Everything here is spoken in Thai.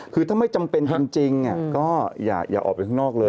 คือถ้าไม่จำเป็นจริงก็อย่าออกไปข้างนอกเลย